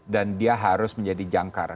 dan dia harus menjadi jangkar